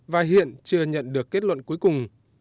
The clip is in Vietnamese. và hiện chưa nhận được kết luận cuối cùng